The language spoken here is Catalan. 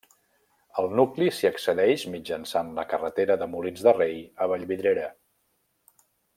Al nucli s'hi accedeix mitjançant la carretera de Molins de Rei a Vallvidrera.